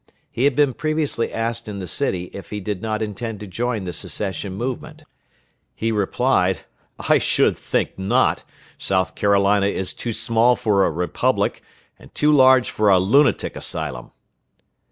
He had been previously asked in the city if he did not intend to join the secession movement. He replied, "_I should think not! South Carolina is too small for a republic, and too large for a lunatic asylum.